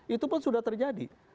itu pun sudah terjadi